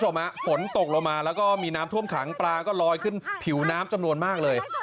คุณผู้ชมฮะฝนตกลงมาแล้วก็มีน้ำท่วมขังปลาก็ลอยขึ้นผิวน้ำจำนวนมากเลย